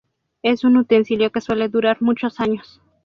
Es un utensilio que suele durar muchos años.